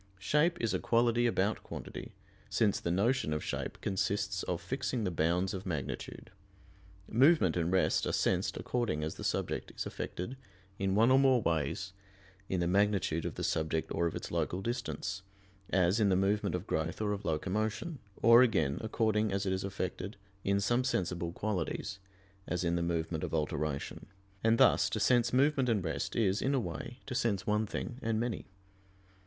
Shape is a quality about quantity, since the notion of shape consists of fixing the bounds of magnitude. Movement and rest are sensed according as the subject is affected in one or more ways in the magnitude of the subject or of its local distance, as in the movement of growth or of locomotion, or again, according as it is affected in some sensible qualities, as in the movement of alteration; and thus to sense movement and rest is, in a way, to sense one thing and many.